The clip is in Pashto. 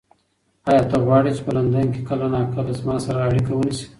ایا ته غواړې چې په لندن کې کله ناکله له ما سره اړیکه ونیسې؟